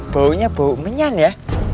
baunya bau menyan ya